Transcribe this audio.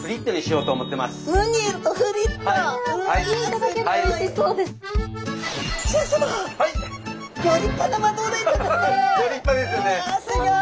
うわすギョい！